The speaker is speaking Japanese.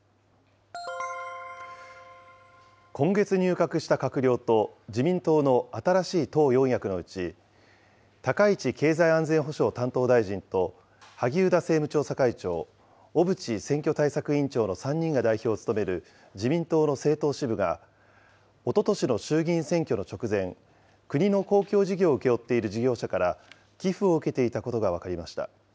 今月入閣した閣僚と、自民党の新しい党４役のうち、高市経済安全保障担当大臣と萩生田政務調査会長、小渕選挙対策委員長の３人が代表を務める自民党の政党支部が、おととしの衆議院選挙の直前、国の公共事業を請け負っている事業者から寄付を受けていたことが分かりました。